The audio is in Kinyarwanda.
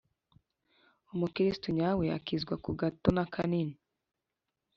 Umukristo nyawe akizwa kugato n’akanini